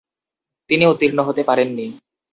তিনি উত্তীর্ণ হতে পারেন নি।